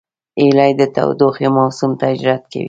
هیلۍ د تودوخې موسم ته هجرت کوي